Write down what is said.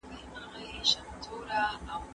زه اجازه لرم چي ږغ واورم؟!